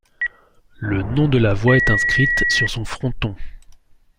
Le nom de la voie est inscrite sur son fronton.